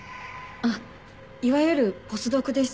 あっいわゆるポスドクです。